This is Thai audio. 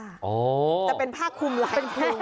แต่เป็นผ้าคุมหลาย